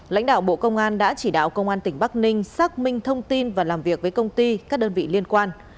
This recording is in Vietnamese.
lãnh đạo bộ công an đã chỉ đạo công an tỉnh bắc ninh xác minh thông tin và làm việc với công ty các đơn vị liên quan